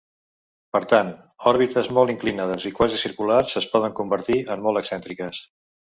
Per tant, òrbites molt inclinades i quasi circulars es poden convertir en molt excèntriques.